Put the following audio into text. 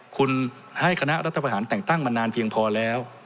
คุณให้คณะรัฐประหารแต่งตั้งมานานเพียงพอแล้ว